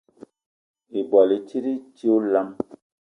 Ibwal i tit i ti olam.